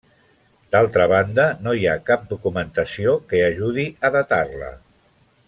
D'altra banda no hi ha cap documentació que ajudi a datar-la.